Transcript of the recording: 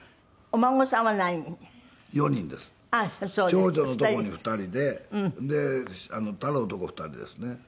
長女のとこに２人でで太郎のとこ２人ですね。